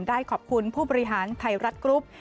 ได้ขอบคุณผู้บริหารไทยรัฐกรุ๊ป